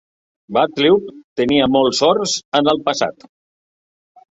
Wattleup tenia molts horts en el passat.